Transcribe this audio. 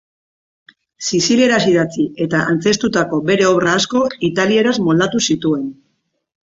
Sizilieraz idatzi eta antzeztutako bere obra asko italieraz moldatu zituen.